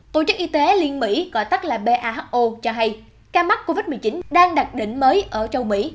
tổ chức y tế liên mỹ cho hay ca mắc covid một mươi chín đang đặt đỉnh mới ở châu mỹ